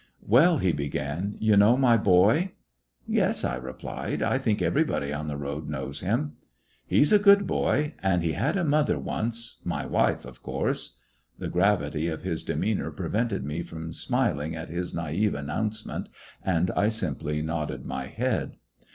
"Well," lie began, "you know my boy!" "Yes," I replied, "I think everybody on the road knows him." "He 's a good boy, and he had a mother once— my wife, of course." The gravity of his demeanor prevented me from smiling at this naive announcement, and I simply nodded my head.